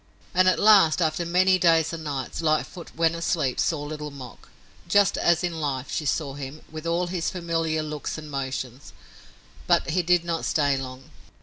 And at last, after many days and nights, Lightfoot, when asleep, saw Little Mok. Just as in life, she saw him, with all his familiar looks and motions. But he did not stay long.